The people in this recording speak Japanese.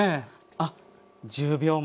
あっ１０秒前。